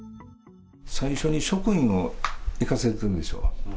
最初に職員を行かせてるでしょ。